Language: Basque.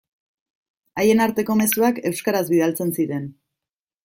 Haien arteko mezuak euskaraz bidaltzen ziren.